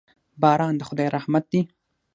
باران د خداي رحمت دي.